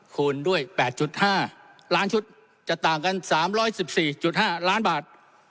คูณด้วย๘๕ล้านชุดจะต่างกัน๓๑๔๕ล้านบาท